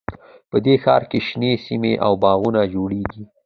په دې ښار کې شنې سیمې او باغونه جوړیږي